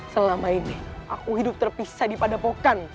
selama ini aku hidup terpisah di padepokan